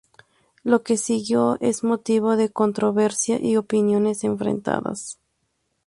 Lo que siguió es motivo de controversia y opiniones enfrentadas.